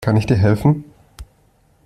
Kann ich dir helfen?